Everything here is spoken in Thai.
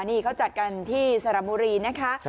นี่เขาจัดกันที่สระบุรีนะคะ